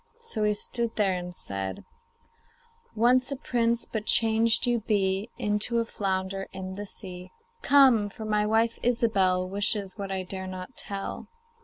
So he stood there and said: 'Once a prince, but changed you be Into a flounder in the sea. Come! for my wife, Ilsebel, Wishes what I dare not tell.